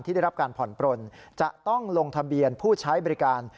ได้รับการผ่อนปลนจะต้องลงทะเบียนผู้ใช้บริการ